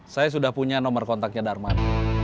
saya sudah punya nomor kontaknya darman